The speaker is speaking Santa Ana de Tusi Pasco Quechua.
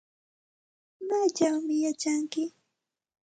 ¿Maychawmi yachanki?